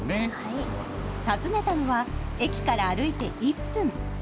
訪ねたのは駅から歩いて１分。